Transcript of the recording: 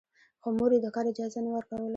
خو مور يې د کار اجازه نه ورکوله.